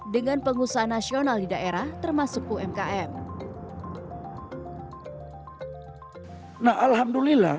dengan pengusaha nasional di daerah termasuk umkm